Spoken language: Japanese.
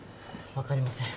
分かりません。